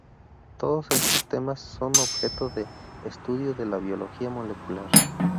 Todos estos temas son objeto de estudio de la Biología molecular.